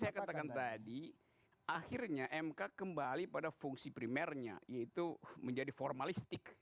saya katakan tadi akhirnya mk kembali pada fungsi primernya yaitu menjadi formalistik